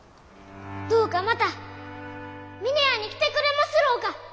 どうかまた峰屋に来てくれますろうか？